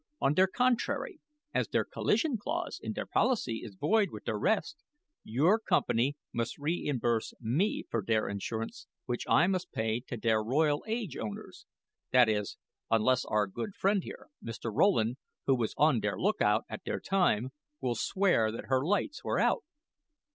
On der contrary, as der collision clause in der policy is void with der rest, your company must reimburse me for der insurance which I must pay to der Royal Age owners that is, unless our good friend here, Mr. Rowland, who was on der lookout at der time, will swear that her lights were out."